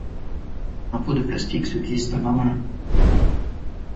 Un pot de plastique se glisse dans ma main.